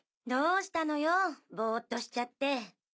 どうしたのよボーッとしちゃって。